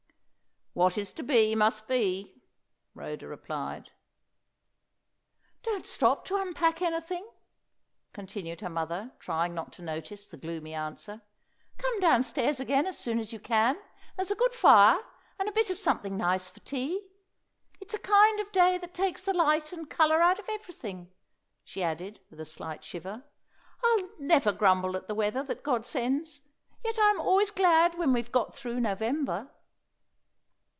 "What is to be, must be," Rhoda replied. "Don't stop to unpack anything," continued her mother, trying not to notice the gloomy answer. "Come downstairs again as soon as you can. There's a good fire, and a bit of something nice for tea. It's a kind of day that takes the light and colour out of everything," she added, with a slight shiver. "I'll never grumble at the weather that God sends; yet I'm always glad when we've got through November."